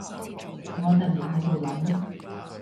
我突然喺度諗